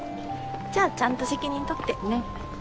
じゃあちゃんと責任とってよね。